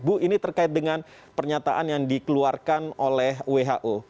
bu ini terkait dengan pernyataan yang dikeluarkan oleh who